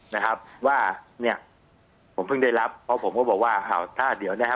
นะครับว่าเนี่ยผมเพิ่งได้รับเพราะผมก็บอกว่าอ้าวถ้าเดี๋ยวเนี้ยฮะ